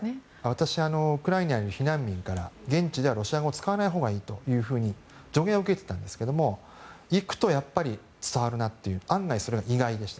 私、ウクライナに避難民から現地ではロシア語を使わないほうがいいと助言を受けていたんですけど行くと伝わるなという案外それは意外でした。